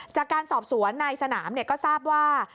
จากการสอบสวนนายสนามก็ทราบว่า